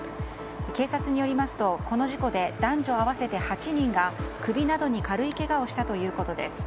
警察によりますと、この事故で男女合わせて８人が、首などに軽いけがをしたということです。